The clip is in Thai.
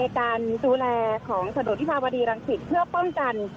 ในการซูแรของสะดวกนิษฐาบริรังสินเพื่อป้องกัน